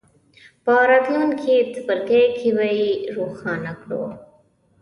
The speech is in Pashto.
په راتلونکي څپرکي کې به یې روښانه کړو.